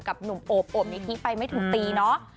หนุ่มโอบโอบนิธิไปไม่ถึงปีเนาะ